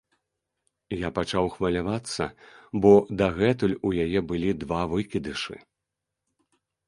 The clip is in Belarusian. Я пачаў хвалявацца, бо дагэтуль у яе былі два выкідышы.